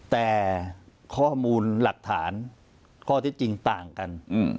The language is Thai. แต่ข้อมูลหลักฐานข้อที่จริงต่างกัน